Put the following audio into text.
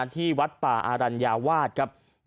ที่วัดป่าอารัญญาวาสครับ